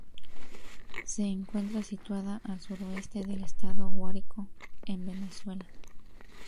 Se encuentra situada al suroeste del Estado Guárico en Venezuela.